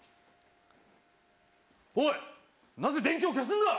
おいなぜ電気を消すんだ。